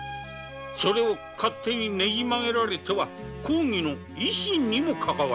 それを勝手にねじ曲げられては公儀の威信にかかわります。